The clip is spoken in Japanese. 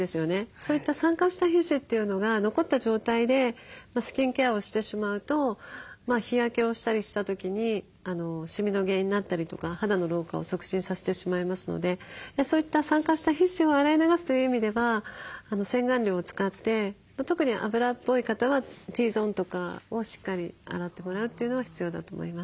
そういった酸化した皮脂というのが残った状態でスキンケアをしてしまうと日焼けをしたりした時にしみの原因になったりとか肌の老化を促進させてしまいますのでそういった酸化した皮脂を洗い流すという意味では洗顔料を使って特に脂っぽい方はＴゾーンとかをしっかり洗ってもらうというのが必要だと思います。